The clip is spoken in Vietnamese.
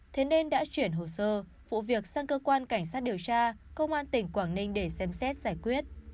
thế nên đã chuyển hồ sơ vụ việc sang cơ quan cảnh sát điều tra công an tỉnh quảng ninh để xem xét giải quyết